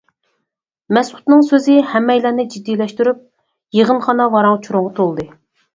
مەسئۇدنىڭ سۆزى ھەممەيلەننى جىددىيلەشتۈرۈپ، يىغىنخانا ۋاراڭ-چۇرۇڭغا تولدى.